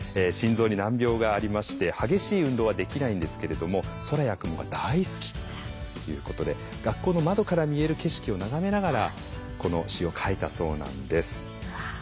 心臓に難病がありまして激しい運動はできないんですけれども空や雲が大好きということで学校の窓から見える景色を眺めながらこの詩を書いたそうなんです。